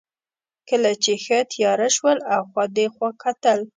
کله چې ښه تېاره شول، اخوا دېخوا کتل.